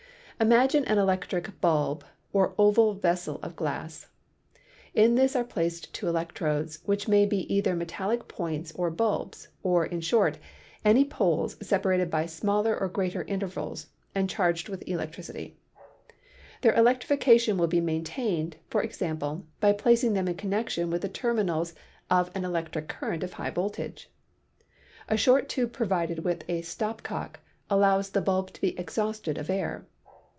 Imagine an electric bulb or oval vessel of glass. In this are placed two electrodes, which may be either metallic points or bulbs, or, in short, any poles separated by smaller or greater intervals and charged with electricity. Their electrification will be maintained, for example, by placing them in connection with the terminals of an elec tric current of high voltage. A short tube provided with a stop cock allows the bulb to be exhausted of air.